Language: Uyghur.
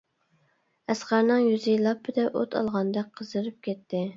ئەسقەرنىڭ يۈزى «لاپپىدە» ئوت ئالغاندەك قىزىرىپ كەتتى.